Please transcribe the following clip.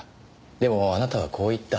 でもあなたはこう言った。